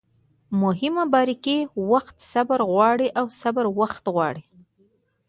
مهمه باریکي: وخت صبر غواړي او صبر وخت غواړي